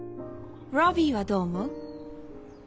ロビーはどう思う？」